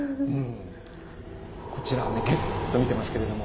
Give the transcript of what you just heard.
こちらをねぎゅっと見てますけれども。